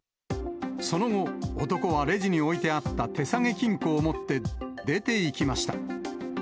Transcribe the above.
その後、男はレジに置いてあった手提げ金庫を持って出ていきました。